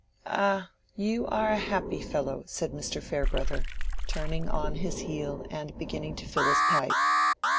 "Ah! you are a happy fellow," said Mr. Farebrother, turning on his heel and beginning to fill his pipe.